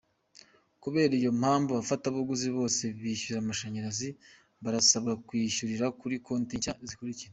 Kubera iyo mpamvu, abafatabuguzi bose bishyura amashanyarazi barasabwa kwishyurira kuri konti nshya zikurikira :.